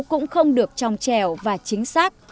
cũng không được tròng trèo và chính xác